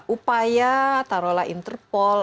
upaya taruhlah interpol